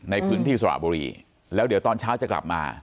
ในพื้นที่สระบุรีแล้วเดี๋ยวตอนเช้าจะกลับมา